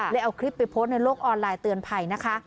เอาคลิปไปโพสต์ในโลกออนไลน์เตือนภัยนะคะ